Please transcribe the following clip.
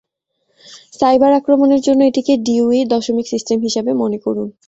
Cyber আক্রমণের জন্য এটিকে ডিউই দশমিক সিস্টেম হিসাবে মনে করুন।